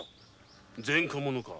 前科者か？